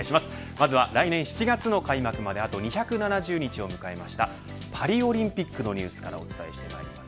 まずは来年７月の開幕まであと２７０日を迎えましたパリオリンピックのニュースからお伝えします。